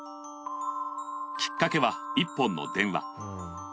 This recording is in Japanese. きっかけは１本の電話。